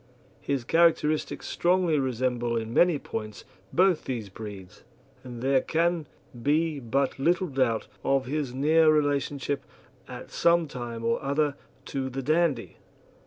His characteristics strongly resemble in many points both these breeds, and there can be but little doubt of his near relationship at some time or other to the Dandie.